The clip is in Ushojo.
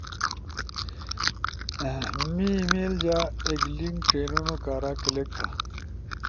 می ای میل جا ایک لنک ڇئینونو کارا کلک تھا،